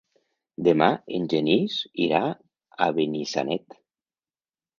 Demà en Genís irà a Benissanet.